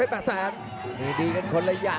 แล้วมาแล้วกับชุดใหญ่ของทะด้าเพชรแหม่แสน